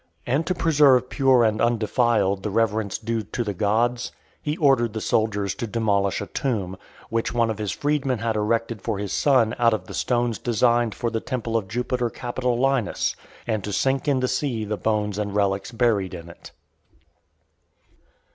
And to preserve pure and undefiled the reverence due to the gods, he ordered the soldiers to demolish a tomb, which one of his freedmen had erected for his son out of the stones designed for the temple of Jupiter Capitolinus, and to sink in the sea the bones and relics buried in it.